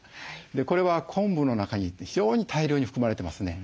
これは昆布の中に非常に大量に含まれてますね。